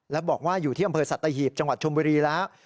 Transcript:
แล้วบอกว่าอยู่ที่อำเภอสัตหีบจังหวัดชมบุรีแล้ว